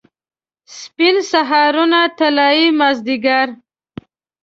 سپین سهارونه، طلايي مازدیګر